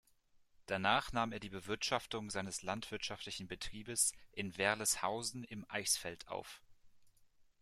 Danach nahm er die Bewirtschaftung seines landwirtschaftlichen Betriebes in Werleshausen im Eichsfeld auf.